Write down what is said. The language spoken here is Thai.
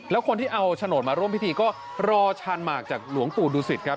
แล้วคนที่เอาโฉนดมาร่วมพิธีก็รอชาญหมากจากหลวงปู่ดูสิตครับ